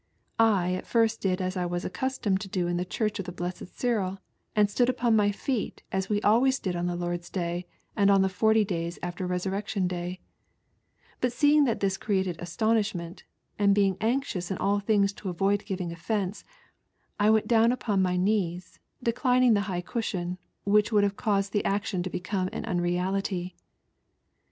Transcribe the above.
I at first did as I was accustomed to do in the church of the Blessed Cyril, and stood upon my feet we always did on the Lord's Day and on the Forty lays after the Kesmrection Day, But seeing that this created astonishmGut, and being anxious in all things to flToid giving offence I went down upon my knees, declining the high cushion, which would have caused the action to become an unreality.